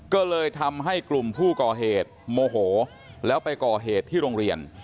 ก็เลยทำให้กลุ่มผู้ก่อเหตุโมโหแล้วไปก่อเหตุที่โรงเรียน